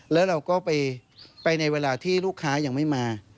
แล้วเราก็ไปในเวลาที่ลูกค้ายังไม่มา